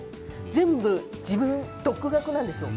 全部自分、独学なんですよ。